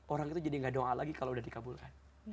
orang itu jadi gak doa lagi kalau udah dikabulkan